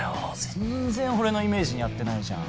全然俺のイメージに合ってないじゃん